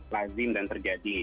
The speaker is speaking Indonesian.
lazim dan terjadi